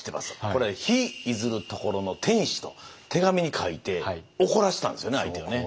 これは「日出ずる処の天子」と手紙に書いて怒らせたんですよね